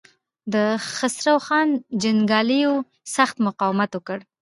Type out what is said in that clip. د خسرو خان جنګياليو سخت مقاومت وکړ.